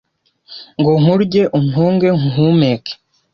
Ngo nkurye untunge nkuhumeke